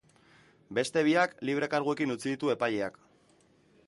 Beste biak libre karguekin utzi ditu epaileak.